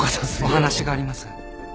お話があります。